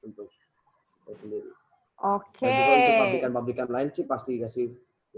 dan juga untuk publikan publikan lain sih pasti dikasih